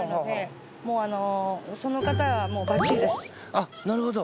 あっなるほど。